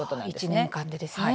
１年間でですね。